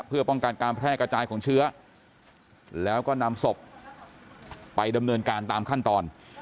เพื่อป้องกันการแพร่กระจายของเชื้อแล้วก็นำศพไปดำเนินการตามขั้นตอน